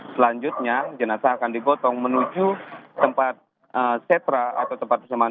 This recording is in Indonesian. selanjutnya jenazah akan dipotong menuju tempat setra atau tempat bersamaan